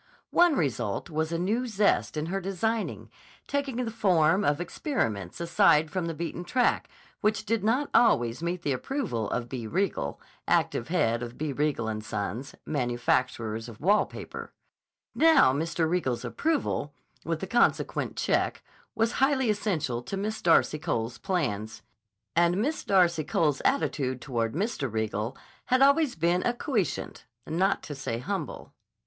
One result was a new zest in her designing, taking the form of experiments aside from the beaten track which did not always meet the approval of B. Riegel, active head of B. Riegel & Sons, manufacturers of wall paper. Now Mr. Riegel's approval, with the consequent check, was highly essential to Miss Darcy Cole's plans. And Miss Darcy Cole's attitude toward Mr. Riegel had always been acquiescent, not to say humble.